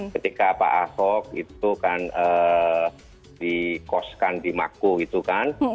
ketika pak ahok itu kan dikoskan di maku gitu kan